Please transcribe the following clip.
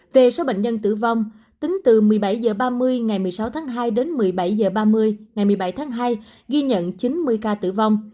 về số bệnh nhân tử vong tính từ một mươi bảy h ba mươi ngày một mươi sáu tháng hai đến một mươi bảy h ba mươi ngày một mươi bảy tháng hai ghi nhận chín mươi ca tử vong